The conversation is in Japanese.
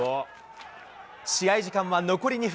試合時間は残り２分。